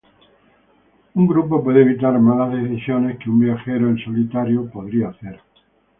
Un grupo puede evitar malas decisiones que un viajero en solitario podría hacer.